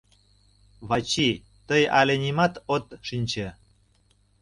Вачи, тый але нимат от шинче...